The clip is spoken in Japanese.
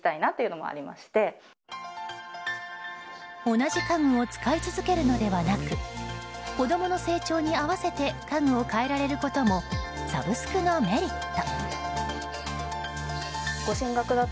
同じ家具を使い続けるのではなく子供の成長に合わせて家具を変えられることもサブスクのメリット。